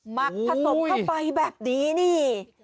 หักผสมเข้าไปแบบนี้นี่